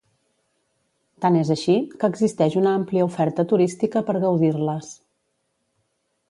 Tant és així, que existeix una àmplia oferta turística per gaudir-les.